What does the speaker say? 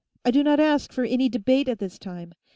I do not ask for any debate at this time.